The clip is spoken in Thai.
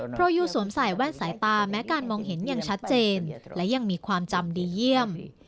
เพราะยูสวมใส่แว่นสายตาแม้การมองเห็นยังชัดเจนและยังมีความจำดีเยี่ยม